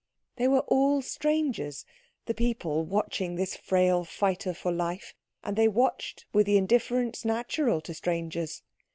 They were all strangers, the people watching this frail fighter for life, and they watched with the indifference natural to strangers.